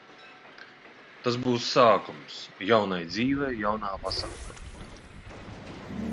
Tas būs sākums jaunai dzīvei jaunā pasaulē.